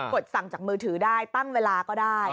ดสั่งจากมือถือได้ตั้งเวลาก็ได้